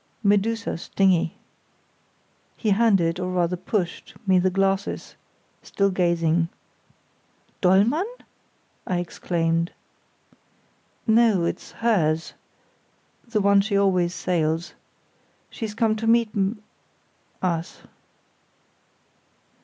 "Medusa's dinghy." He handed, or rather pushed, me the glasses, still gazing. "Dollmann?" I exclaimed. "No, it's hers—the one she always sails. She's come to meet m—, us."